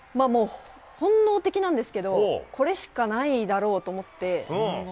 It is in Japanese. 本能的なんですけどこれしかないだろうと思って。